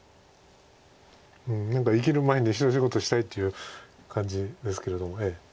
何か生きる前に一仕事したいっていう感じですけれども。